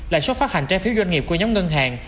lại suất phát hành trái phiếu doanh nghiệp của nhóm ngân hàng